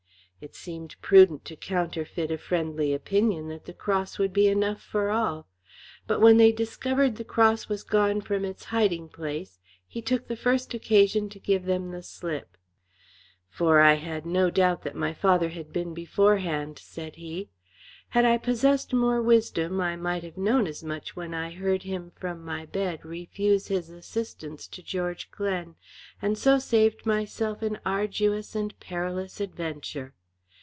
It seemed prudent to counterfeit a friendly opinion that the cross would be enough for all. But when they discovered the cross was gone from its hiding place, he took the first occasion to give them the slip. "For I had no doubt that my father had been beforehand," said he. "Had I possessed more wisdom, I might have known as much when I heard him from my bed refuse his assistance to George Glen, and so saved myself an arduous and a perilous adventure.